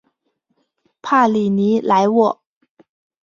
帕里尼莱沃。